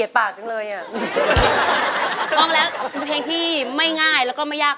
สวัสดีครับ